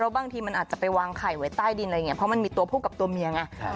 บางทีมันอาจจะไปวางไข่ไว้ใต้ดินอะไรอย่างนี้เพราะมันมีตัวผู้กับตัวเมียไง